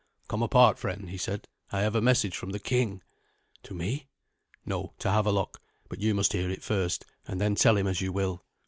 "Come apart, friend," he said; "I have a message from the king." "To me?" "No, to Havelok. But you must hear it first, and then tell him as you will."